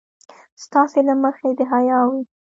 ستاسې له مخې د حيا وي.